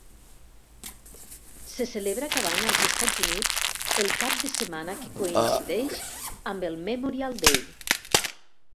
Se celebra cada any als Estats Units el cap de setmana que coincideix amb el Memorial Day.